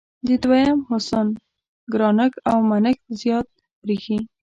د دویم حسن ګرانښت او منښت زیات برېښي.